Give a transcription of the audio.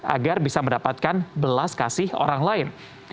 agar bisa mendapatkan belas kasih orang lain